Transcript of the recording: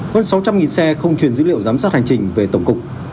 hơn sáu trăm linh xe không truyền dữ liệu giám sát hành trình về tổng cục